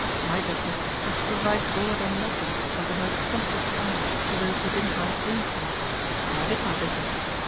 My business was to provide board and lodging of the most sumptuous kind to those who didn't mind paying for it; and I did my business.